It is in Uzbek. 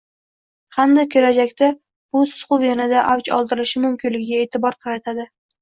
hamda kelajakda bu siquv yanada avj oldirilishi mumkinligiga e`tibor qaratadi.